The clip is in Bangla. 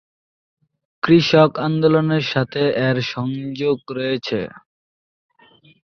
কৃষক আন্দোলনের সাথে এর সংযোগ রয়েছে।